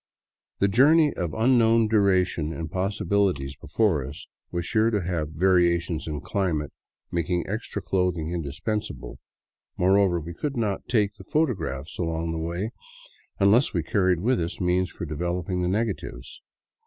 The journey of unknown duration and possibiUties before us was sure to have variations in dimate making extra clothing indispensable; moreover, we could not take the photographs along the way unless we carried v/ith us means for developing the nega tives.